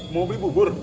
mau beli bubur